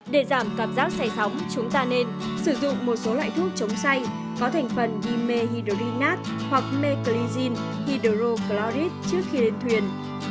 để giảm cảm giác say sóng chúng ta nên sử dụng một số loại thuốc chống say có thành phần ymê hydrinat hoặc meclizine hydrochloric trước khi lên thuyền